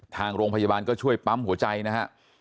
ทางโรงพยาบาลก็ช่วยปั๊มหัวใจนะฮะ